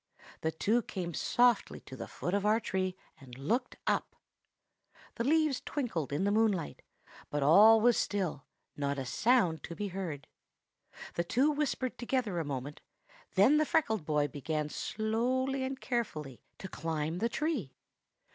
The two came softly to the foot of our tree, and looked up. The leaves twinkled in the moonlight; but all was still, not a sound to be heard. The two whispered together a moment; then the freckled boy began slowly and carefully to climb the tree.